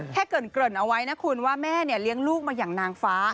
เกริ่นเอาไว้นะคุณว่าแม่เนี่ยเลี้ยงลูกมาอย่างนางฟ้า